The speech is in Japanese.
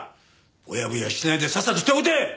ぼやぼやしてないでさっさと手を打て！